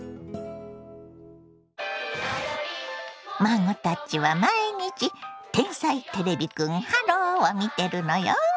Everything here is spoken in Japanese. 孫たちは毎日「天才てれびくんｈｅｌｌｏ，」を見てるのよ。